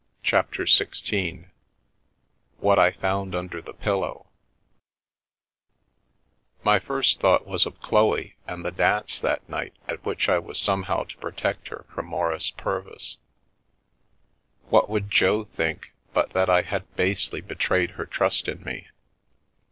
M CHAPTER XVI WHAT I FOUND UNDER THE PILLOW MY first thought was of Chloe and the dance that night at which I was somehow to protect her from Maurice Purvis. What would J6 think, but that I had basely betrayed her trust in me?